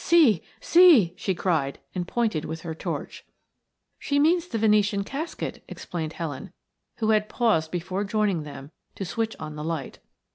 "See, see!" she cried and pointed with her torch. "She means the Venetian casket," explained Helen, who had paused before joining them to switch on the light.